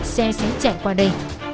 xe sẽ chạy qua đây